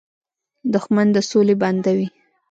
دښمن د سولې بنده وي